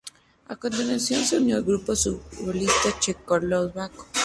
A continuación se unió Grupo Surrealista Checoslovaco.